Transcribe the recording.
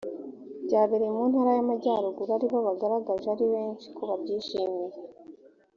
byabereye mu ntara y amajyaruguru aribo bagaragaje ari benshi ko babyishimiye